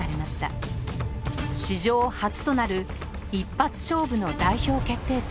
史上初となる一発勝負の代表決定戦。